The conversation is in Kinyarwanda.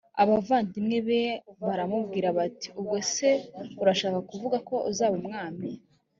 abavandimwe be baramubwira bati ubwo se urashaka kuvuga ko uzaba umwami